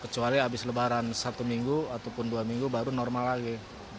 kecuali habis lebaran satu minggu ataupun dua minggu baru normal lagi